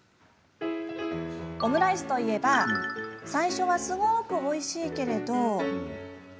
オムライスといえば最初はすごくおいしいけれど。